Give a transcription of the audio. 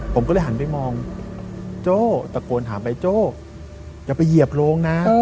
ผมก็เลยหันไปมองโจ้ตะโกนถามไปโจ้อย่าไปเหยียบโรงนะ